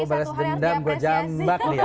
gue bales dendam gue jambak dia